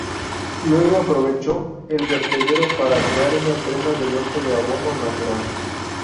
Luego aprovechó el vertedero para crear una empresa de venta de abono natural.